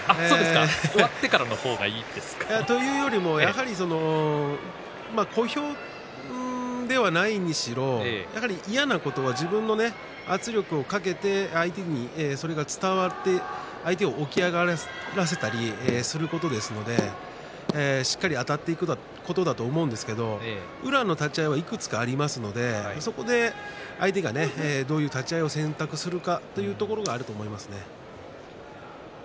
終わってからの方がいいですか？というより小兵ではないにしろ嫌なことは自分の圧力をかけて相手にそれが伝わって相手を起き上がらせたりすることですのでしっかりあたっていくことだと思うんですけど宇良の立ち合いはいくつかありますのでそこで相手がどういう立ち合いを選択するかというところがあると思いますね。